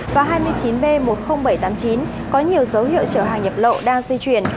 có nhiều dấu hiệu chở hàng nhập lậu đang di chuyển